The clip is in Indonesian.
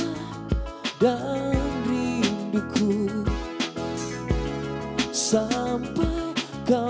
mengertilah karena hidup takkan semudah kakira